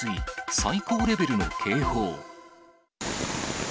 最高レベルの警報。